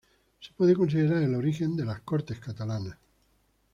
Se puede considerar el origen de las Cortes Catalanas.